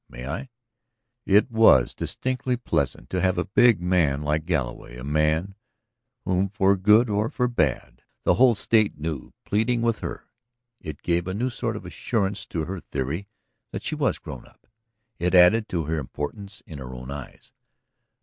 May I?" It was distinctly pleasant to have a big man like Galloway, a man whom for good or for bad the whole State knew, pleading with her. It gave a new sort of assurance to her theory that she was "grown up"; it added to her importance in her own eyes.